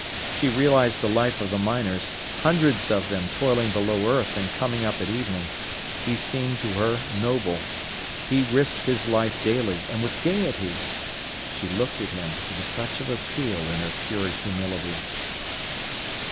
She realised the life of the miners, hundreds of them toiling below earth and coming up at evening. He seemed to her noble. He risked his life daily, and with gaiety. She looked at him, with a touch of appeal in her pure humility.